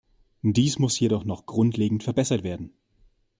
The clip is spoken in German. Dies muss jedoch noch grundlegend verbessert werden.